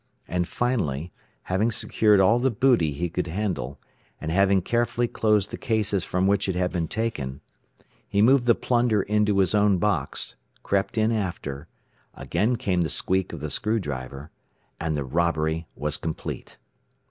And finally, having secured all the booty he could handle, and having carefully closed the cases from which it had been taken, he moved the plunder into his own box, crept in after; again came the squeak of the screw driver and the robbery was complete.